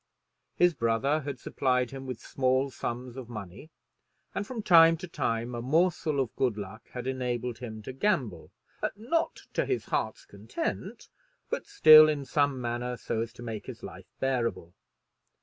His brother had supplied him with small sums of money, and from time to time a morsel of good luck had enabled him to gamble, not to his heart's content, but still in some manner so as to make his life bearable.